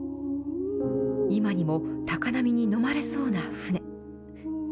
今にも高波に飲まれそうな船。